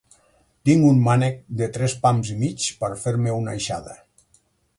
Tinc un mànec de tres pams i mig per a fer-me una aixada.